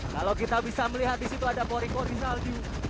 kalau kita bisa melihat di situ ada pori pori salju